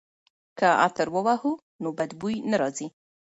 که عطر ووهو نو بد بوی نه راځي.